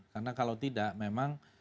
karena kalau tidak memang